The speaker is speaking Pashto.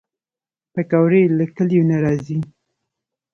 پکورې له کلیو نه راځي